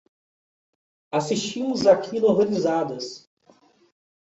Assistimos àquilo horrorizadas